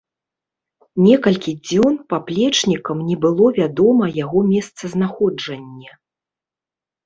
Некалькі дзён паплечнікам не было вядома яго месцазнаходжанне.